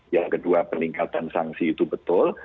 yang kedua peningkatan sanksi itu betul